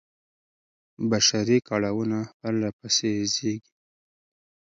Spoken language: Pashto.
بشري کړاوونه پرله پسې زېږي.